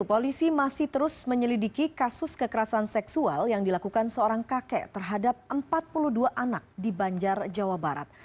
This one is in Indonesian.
polisi masih terus menyelidiki kasus kekerasan seksual yang dilakukan seorang kakek terhadap empat puluh dua anak di banjar jawa barat